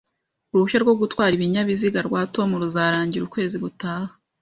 Uruhushya rwo gutwara ibinyabiziga rwa Tom ruzarangira ukwezi gutaha